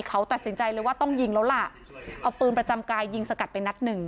เขาตัดสินใจเลยว่าต้องยิงแล้วล่ะเอาปืนประจำกายยิงสกัดไปนัดหนึ่ง